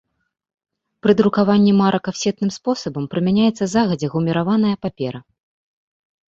Пры друкаванні марак афсетным спосабам прымяняецца загадзя гуміраваная папера.